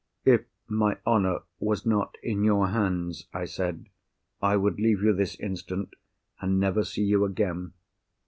"If my honour was not in your hands," I said, "I would leave you this instant, and never see you again.